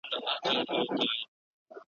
دی به خوښ ساتې تر ټولو چي مهم دی په جهان کي `